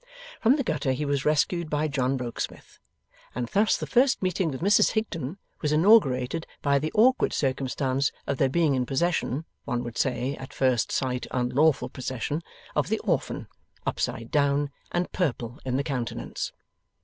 From the gutter he was rescued by John Rokesmith, and thus the first meeting with Mrs Higden was inaugurated by the awkward circumstance of their being in possession one would say at first sight unlawful possession of the orphan, upside down and purple in the countenance.